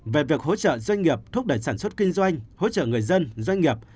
về việc hỗ trợ doanh nghiệp thúc đẩy sản xuất kinh doanh hỗ trợ người dân doanh nghiệp